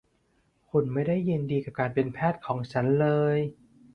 คุณไม่ได้ยินดีกับการเป็นแพทย์ของฉันเลย